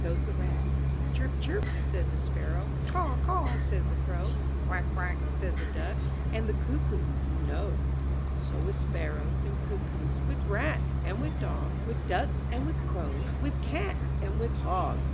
goes the rat. "Chirp, chirp," says the sparrow, "Caw, caw," says the crow, "Quack, quack," says the duck, And the cuckoo you know. So with sparrows and cuckoos. With rats and with dogs. With ducks and with crows, With cats and with hogs!